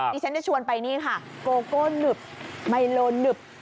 ดิฉันจะชวนไปนี่ค่ะโกโก้นึบไมโลหนึบ